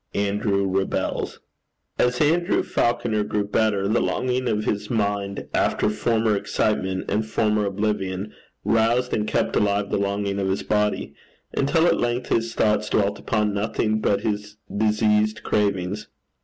ANDREW REBELS. As Andrew Falconer grew better, the longing of his mind after former excitement and former oblivion, roused and kept alive the longing of his body, until at length his thoughts dwelt upon nothing but his diseased cravings.